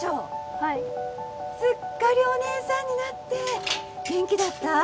はいすっかりお姉さんになって元気だった？